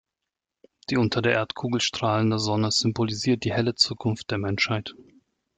Die unter der Erdkugel strahlende Sonne symbolisiert die helle Zukunft der Menschheit“.